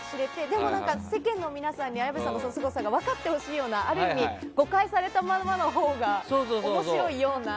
でも、世間の皆さんに綾部さんのすごさが分かってほしいようなある意味誤解されたままのほうが面白いような。